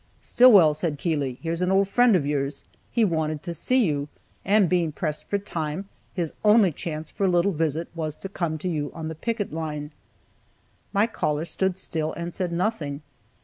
"Stillwell," said Keeley, "here's an old friend of yours. He wanted to see you, and being pressed for time, his only chance for a little visit was to come to you on the picket line." My caller stood still, and said nothing.